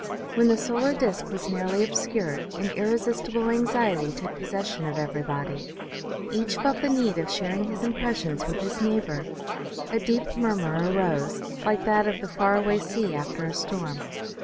"When the solar disc was nearly obscured, an irresistible anxiety took possession of everybody ; each felt the need of sharing his impressions with his neigh bor. A deep murmur arose, like that of the far away sea after a storm.